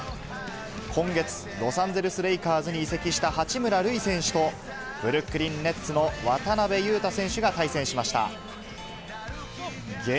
今月、ロサンゼルスレイカーズに移籍した八村塁選手と、ブルックリンネッツの渡邊雄太選手が対戦しました。